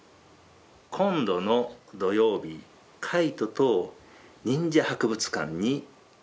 今度の土曜日カイトと忍者博物館に行きます。